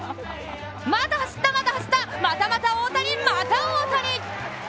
また走った、また走った、またまた大谷、また大谷！